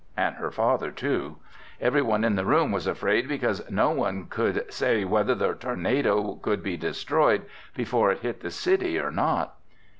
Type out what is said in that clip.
And her father, too. Everyone in the room was afraid because no one could say whether the tornado could be destroyed before it hit the city or not.